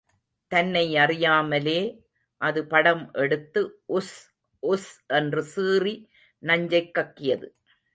தன்னை அறியாமலே அது படம் எடுத்து, உஸ், உஸ் என்று சீறி நஞ்சைக் கக்கியது.